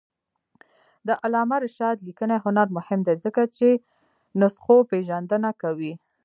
د علامه رشاد لیکنی هنر مهم دی ځکه چې نسخوپېژندنه کوي.